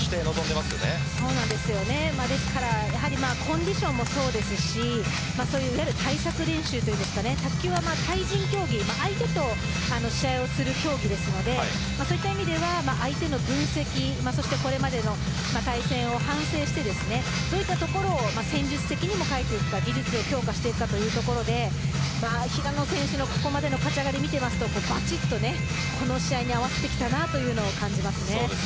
そうですね、ですからコンディションもそうですしいわゆる対策練習というんですか卓球は対人競技、相手と試合をする競技ですのでそういう意味では相手の分析そしてこれまでの対戦を反省してといったところを戦術的に変えていくか技術を強化していくかというところで平野選手の、ここまでの立ち上がりを見てるとこの試合に合わせてきたなと感じます。